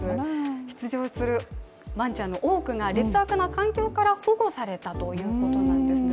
出場するわんちゃんの多くが、劣悪な環境から保護されたということなんですね。